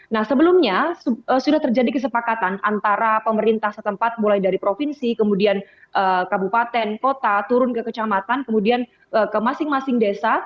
nah sebelumnya sudah terjadi kesepakatan antara pemerintah setempat mulai dari provinsi kemudian kabupaten kota turun ke kecamatan kemudian ke masing masing desa